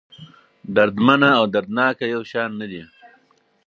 دردمنه او دردناکه يو شان نه دي.